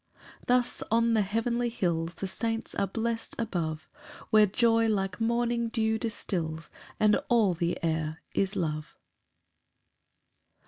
4 Thus on the heavenly hills The saints are blest above, Where joy like morning dew distils, And all the air is love.